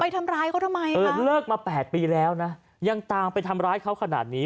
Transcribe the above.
ทำร้ายเขาทำไมเลิกมา๘ปีแล้วนะยังตามไปทำร้ายเขาขนาดนี้